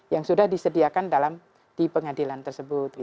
yang sudah disediakan di pengadilan tersebut